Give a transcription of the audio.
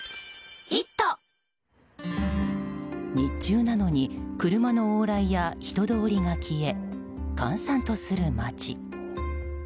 日中なのに車の往来や人通りが消え閑散とする街。